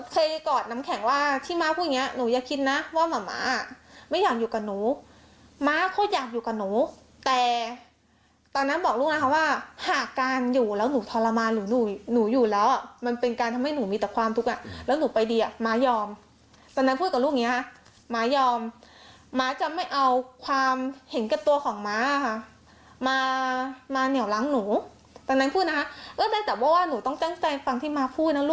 กอดน้ำแข็งว่าที่ม้าพูดอย่างเงี้หนูอย่าคิดนะว่าหมาม้าไม่อยากอยู่กับหนูม้าเขาอยากอยู่กับหนูแต่ตอนนั้นบอกลูกนะคะว่าหากการอยู่แล้วหนูทรมานหนูหนูอยู่แล้วอ่ะมันเป็นการทำให้หนูมีแต่ความทุกข์อ่ะแล้วหนูไปดีอ่ะม้ายอมตอนนั้นพูดกับลูกอย่างเงี้ค่ะม้ายอมม้าจะไม่เอาความเห็นกับตัวของม้าค่ะมามาเหนียวล้างหนูตอนนั้นพูดนะคะ